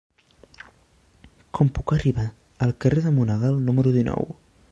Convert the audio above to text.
Com puc arribar al carrer de Monegal número dinou?